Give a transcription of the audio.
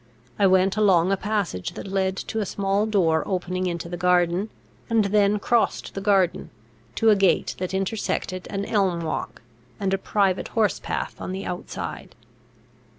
I went along a passage that led to a small door opening into the garden, and then crossed the garden, to a gate that intersected an elm walk and a private horse path on the outside.